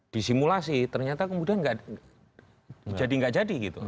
disimulasi ternyata kemudian jadi nggak jadi gitu